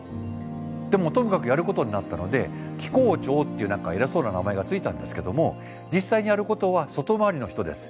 でもともかくやることになったので機構長っていう何か偉そうな名前が付いたんですけども実際にやることは外回りの人です。